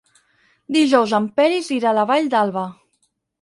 Dijous en Peris irà a la Vall d'Alba.